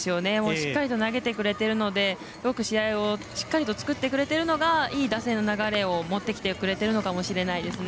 しっかりと投げてくれているのですごく試合をしっかりと作ってくれているのがいい打線の流れが持ってきてくれてるのかもしれないですね。